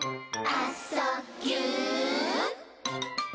「あ・そ・ぎゅ」